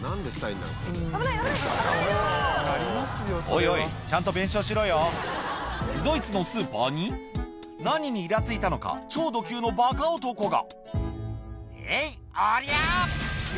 おいおいちゃんと弁償しろよドイツのスーパーに何にイラついたのか超ド級のバカ男が「えい！おりゃ！」